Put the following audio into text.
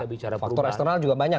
faktor eksternal juga banyak